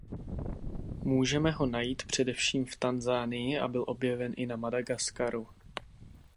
Můžeme ho najít především v Tanzanii a byl objeven i na Madagaskaru.